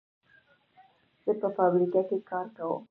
زه په فابریکه کې کار کوم.